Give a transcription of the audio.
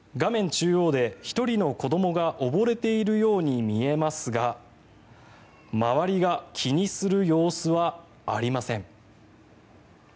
中央で１人の子どもが溺れているように見えますが周りが気にする様子はありません。